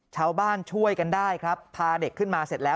ชาวบ้านช่วยกันได้ครับพาเด็กขึ้นมาเสร็จแล้ว